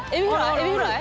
エビフライ？